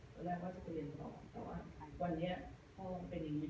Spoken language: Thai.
ตอนแรกว่าจะไปเรียนต่อแต่ว่าวันนี้พ่อเป็นอย่างงี้